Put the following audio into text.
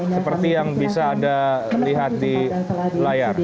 seperti yang bisa anda lihat di layar